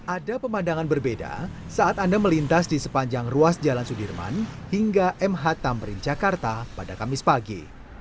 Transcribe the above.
ada pemandangan berbeda saat anda melintas di sepanjang ruas jalan sudirman hingga mh tamrin jakarta pada kamis pagi